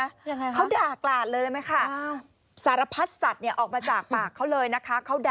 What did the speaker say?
ยังไงเขาด่ากลาดเลยได้ไหมค่ะสารพัดสัตว์เนี่ยออกมาจากปากเขาเลยนะคะ